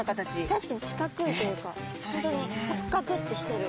確かに四角いというか本当にカクカクってしてる。